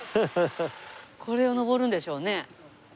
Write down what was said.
これを上るんでしょうね。